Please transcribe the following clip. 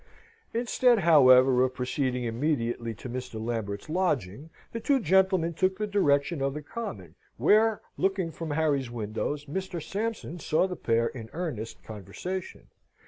Instead, however, of proceeding immediately to Mr. Lambert's lodging, the two gentlemen took the direction of the common, where, looking from Harry's windows, Mr. Sampson saw the pair in earnest conversation.